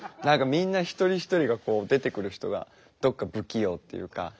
何かみんな一人一人がこう出てくる人がどっか不器用っていうか。